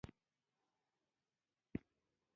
کندهار د افغانستان د نورو ولایاتو په کچه ځانګړی توپیر لري.